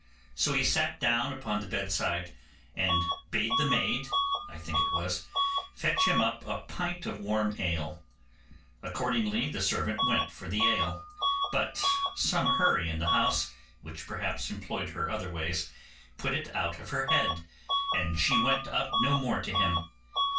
So he sat down upon the bedside, and bade the maid, I think it was, fetch him up a pint of warm ale. Accordingly the servant went for the ale, but some hurry in the house, which perhaps employed her other ways, put it out of her head, and she went up no more to him.